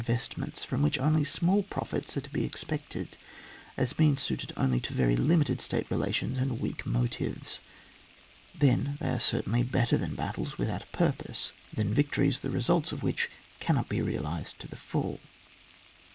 this descriptioii as small myestments, from which only small profits are to be expected ; as means suited only to very limited State relations and weak motives. Then they are certainly better than bat tles without a purpose — than victories, the results of which cannot be realised to the full.